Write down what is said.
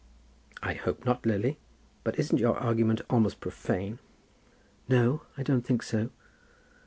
"I hope not, Lily; but isn't your argument almost profane?" "No; I don't think so.